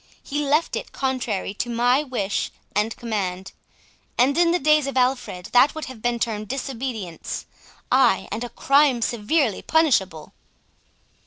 He left it contrary to my wish and command; and in the days of Alfred that would have been termed disobedience—ay, and a crime severely punishable."